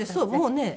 もうね